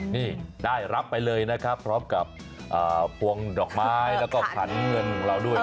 นี่ได้รับไปเลยนะครับพร้อมกับพวงดอกไม้แล้วก็ขันเงินของเราด้วย